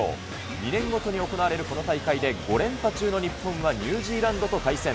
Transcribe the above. ２年ごとに行われるこの大会で、５連覇中の日本はニュージーランドと対戦。